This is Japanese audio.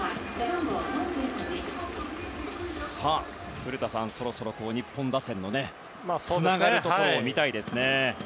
古田さん、そろそろ日本打線のつながるところを見たいですね。